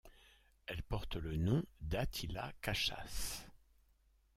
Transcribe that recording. Elle porte le nom d'Attila Kaszás.